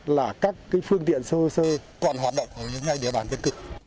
là các phương tiện sơ sơ còn hoạt động ở những nơi địa bàn dân cực